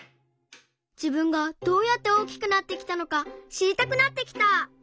自分がどうやって大きくなってきたのかしりたくなってきた！